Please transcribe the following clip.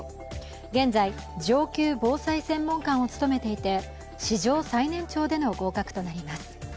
現在、上級防災専門官を務めていて市場最年長での合格となります。